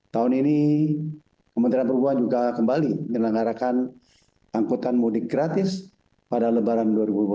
tahun ini kementerian perhubungan juga kembali menelanggarakan angkutan mudik gratis pada lebaran dua ribu empat